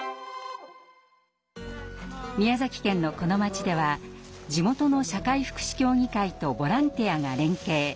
宮崎県のこの町では地元の社会福祉協議会とボランティアが連携。